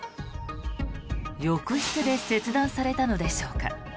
浴室で切断されたのでしょうか。